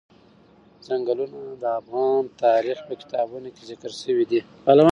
ځنګلونه د افغان تاریخ په کتابونو کې ذکر شوی دي.